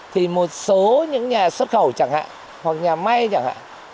thì một số những nhà xuất khẩu chẳng hạn hoặc nhà may chẳng hạn